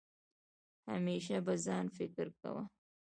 همېشه په ځان فکر کوه